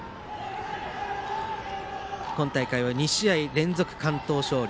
今大会は２試合連続完投勝利。